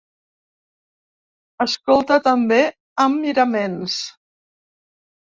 Escolta també, amb miraments